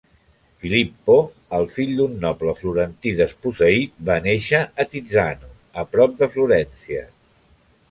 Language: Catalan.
Filippo, el fill d'un noble florentí desposseït, va néixer a Tizzano, a prop de Florència.